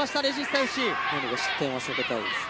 ここで失点は避けたいですね。